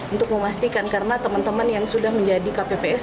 untuk memastikan karena teman teman yang sudah menjadi kpps